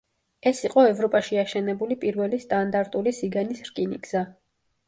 ეს იყო ევროპაში აშენებული პირველი სტანდარტული სიგანის რკინიგზა.